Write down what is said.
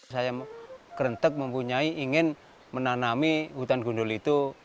saya krentek mempunyai ingin menanami hutan gundul itu